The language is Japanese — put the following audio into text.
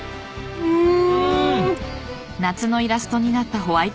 うん！